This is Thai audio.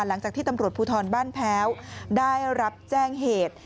หลังจากที่ตำรวจภูทรบ้านแพ้วได้รับแจ้งเหตุ